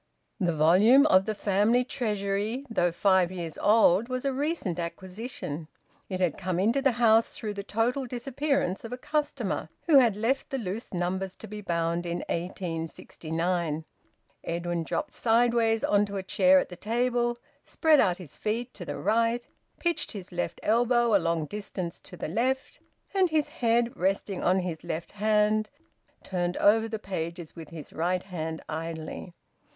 The volume of "The Family Treasury," though five years old, was a recent acquisition. It had come into the house through the total disappearance of a customer who had left the loose numbers to be bound in 1869. Edwin dropped sideways on to a chair at the table, spread out his feet to the right, pitched his left elbow a long distance to the left, and, his head resting on his left hand, turned over the pages with his right hand idly.